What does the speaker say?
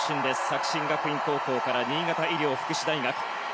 作新学院高校から新潟医療福祉大学。